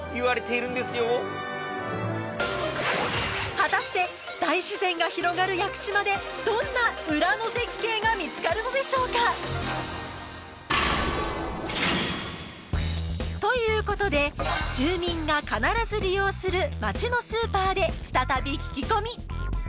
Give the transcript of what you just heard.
果たして大自然が広がる屋久島でどんなウラの絶景が見つかるのでしょうか？ということで住民が必ず利用する町のスーパーで再び聞き込み！